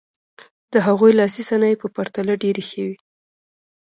د هغوی لاسي صنایع په پرتله ډېرې ښې وې.